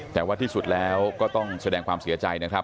แต่ว่าที่สุดแล้วก็ต้องแสดงความเสียใจนะครับ